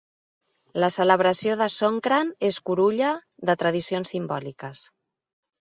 La celebració de Songkran és curulla de tradicions simbòliques.